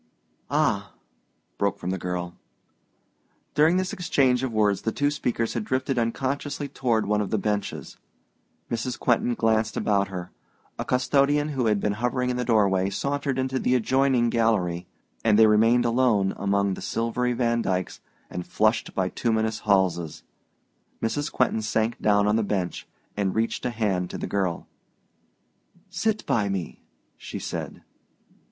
"Ah!" broke from the girl. During this exchange of words the two speakers had drifted unconsciously toward one of the benches. Mrs. Quentin glanced about her: a custodian who had been hovering in the doorway sauntered into the adjoining gallery, and they remained alone among the silvery Vandykes and flushed bituminous Halses. Mrs. Quentin sank down on the bench and reached a hand to the girl. "Sit by me," she said.